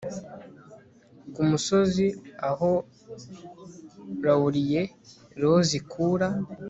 Ku musozi aho LaurierRose ikura